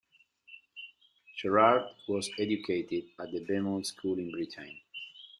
Gerard was educated at the Beaumont School in Britain.